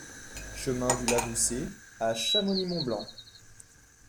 Chemin du Lavoussé à Chamonix-Mont-Blanc